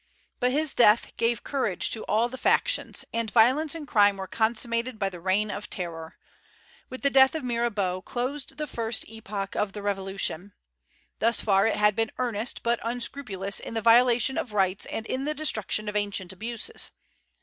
But his death gave courage to all the factions, and violence and crime were consummated by the Reign of Terror. With the death of Mirabeau, closed the first epoch of the Revolution. Thus far it had been earnest, but unscrupulous in the violation of rights and in the destruction of ancient abuses.